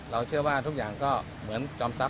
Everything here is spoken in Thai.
เชื่อว่าทุกอย่างก็เหมือนจอมทรัพ